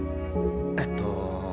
えっと。